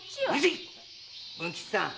文吉さん。